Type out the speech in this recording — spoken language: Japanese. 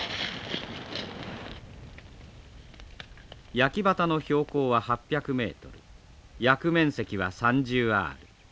焼畑の標高は８００ｍ焼く面積は３０アール。